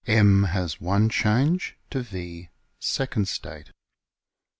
M has one change, to V (second state).